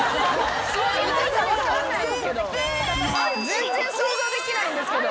全然想像できないんですけど。